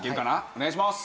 お願いします。